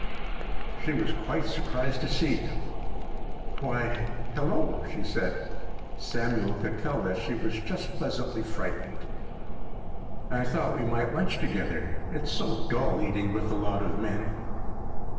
She was quite surprised to see him. "Why—hello," she said. Samuel could tell that she was just pleasantly frightened. "I thought we might lunch together. It's so dull eating with a lot of men."